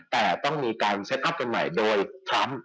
แต่ต้องมีการเซ็ตอัพกันใหม่โดยทรัมป์